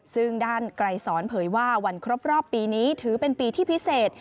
ซึ่งด้านไกรสอนเผยว่าวันครบรอบปีนี้ถือเป็นปีที่พิเศษ